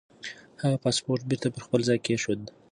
هغه پاسپورت بېرته پر خپل ځای کېښود.